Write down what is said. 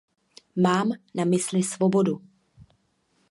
Mám na mysli svobodu.